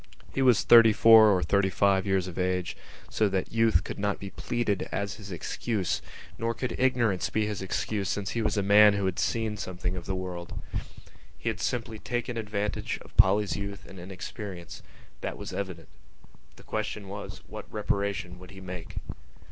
He was thirty four or thirty five years of age, so that youth could not be pleaded as his excuse; nor could ignorance be his excuse since he was a man who had seen something of the world. He had simply taken advantage of Polly's youth and inexperience: that was evident. The question was: What reparation would he make?